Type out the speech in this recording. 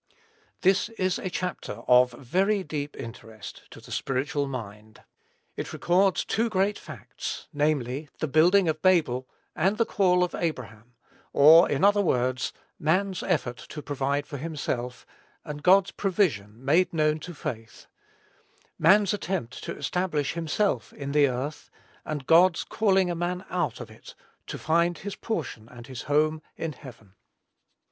This is a chapter of very deep interest to the spiritual mind. It records two great facts, namely, the building of Babel, and the call of Abraham; or, in other words, man's effort to provide for himself, and God's provision made known to faith; man's attempt to establish himself in the earth, and God's calling a man out of it, to find his portion and his home in heaven.